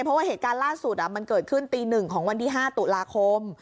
เพราะว่าเหตุการณ์ล่าสุดมันเกิดขึ้นตี๑ของวันที่๕ตุลาคม